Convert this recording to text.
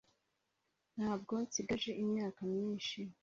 Ntabwo nsigaje imyaka myinshi.